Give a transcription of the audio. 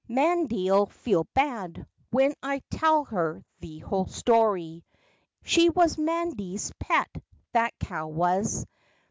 'Mandy 'll feel bad When I tell her the whole story. She was 'Mandy's pet, that cow was.